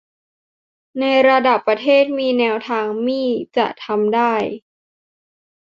ในระดับประเทศมีแนวทางมี่จะทำได้